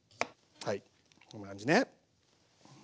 はいこんな感じね。